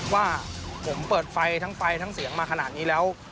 ว่าผมเปิดไฟทั้งไฟทั้งเสียงมาขนาดนี้แล้ว